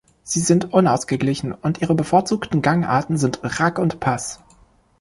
Sie sind unausgeglichen und ihre bevorzugten Gangarten sind Rack und Pass.